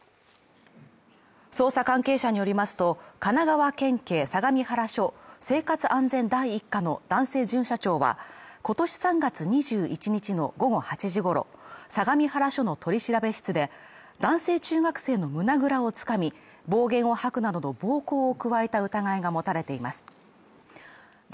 捜査関係者によりますと、神奈川県警相模原署生活安全第一課の男性巡査長は今年３月２１日の午後８時ごろ、相模原署の取り調べ室で男性中学生の胸ぐらをつかみ、暴言を吐くなどの暴行を加えた疑いが持たれています。